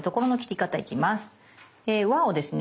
輪をですね